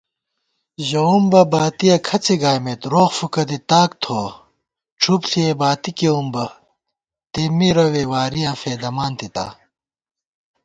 ژَوُمبہ باتِیَہ کھڅےگائیمېت، روغ فُکہ دی تاک تھووَہ * ڄُھپ ݪِیَئی باتی کېوُم بہ تېنمی روےوارِیاں فېدَمان تِتا